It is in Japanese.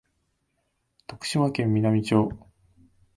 徳島県美波町